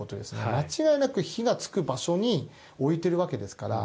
間違いなく火がつく場所に置いてるわけですから。